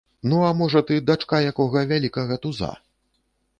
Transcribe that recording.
Ну, а можа, ты дачка якога вялікага туза?